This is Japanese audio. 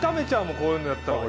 こういうのやったら俺。